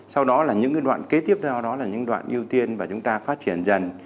sau đó là những đoạn kế tiếp theo đó là những đoạn ưu tiên và chúng ta phát triển dần